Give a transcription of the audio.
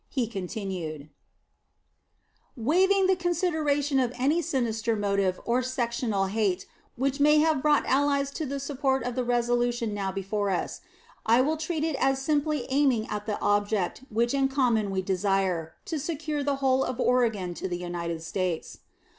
He continued: Waiving the consideration of any sinister motive or sectional hate which may have brought allies to the support of the resolution now before us, I will treat it as simply aiming at the object which in common we desire to secure the whole of Oregon to the United States.